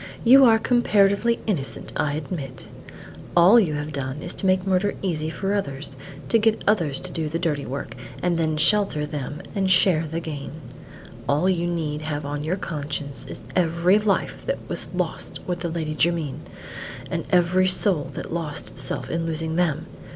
you are comparatively innocent, I admit. All you have done is to make murder easy for others; to get others to do the dirty work, and then shelter them and share the gain; all you need have on your conscience is every life that was lost with the Lady Jermyn, and every soul that lost itself in losing them.